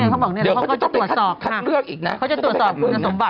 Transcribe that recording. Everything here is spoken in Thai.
เขาบอกเนี่ยเขาก็จะตรวจสอบค่ะเขาจะตรวจสอบคุณสมบัติ